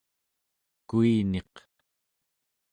kuiniq